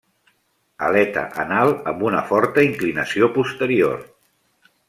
Aleta anal amb una forta inclinació posterior.